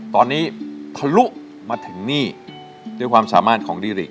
ตอนนี้ทะลุมาถึงนี่ด้วยความสามารถของดิริ